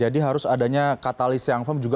jadi harus adanya katalis yang adaptable terhadap